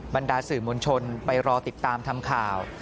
บรรดาสื่อมวลชนไปรอติดตามทำข่าว